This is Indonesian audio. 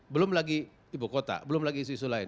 belum lagi ibu kota belum lagi isu isu lain